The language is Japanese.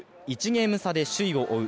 １ゲーム差で首位を追う